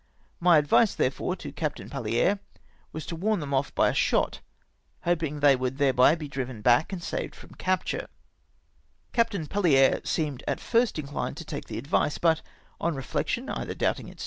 My advice, therefore, to Captain Palhere was to warn them off by a shot — hoping they would thereby be driven back and saved from captm e. Captain Palhere seemed at first inclined to take the advice, but on reflection — either doubting its k2 132 CAPTURE OF DOCKTAED AETIFICERS.